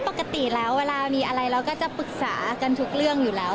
ปกติแล้วเวลามีอะไรเราก็จะปรึกษากันทุกเรื่องอยู่แล้ว